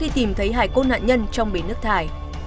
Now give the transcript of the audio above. tìm thấy hải cốt nạn nhân trong bể nước thải